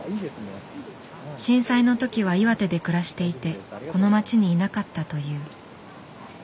震災の時は岩手で暮らしていてこの町にいなかったという。